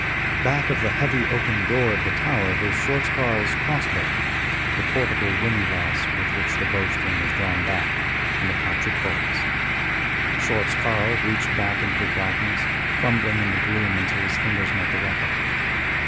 Back of the heavy oaken door of the tower was Schwartz Carl's cross bow, the portable windlass with which the bowstring was drawn back, and a pouch of bolts. Schwartz Carl reached back into the darkness, fumbling in the gloom until his fingers met the weapon.